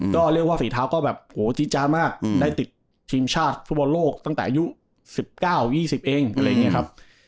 ก็เรียกว่าฝีเท้าก็แบบโหจีจามากได้ติดทีมชาติฟุตบอลโลกตั้งแต่อายุ๑๙๒๐เองอะไรอย่างนี้ครับ